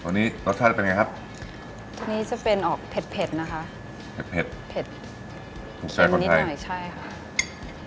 ตรงนี้รสชาติจะเป็นยังไงครับตรงนี้จะเป็นออกเผ็ดนะคะเผ็ดเผ็ดเผ็ดนิดหน่อยถูกใจคนไทยใช่ค่ะ